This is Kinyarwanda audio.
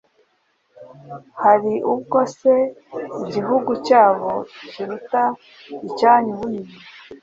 Hari ubwo se igihugu cyabo kiruta icyanyu ubunini?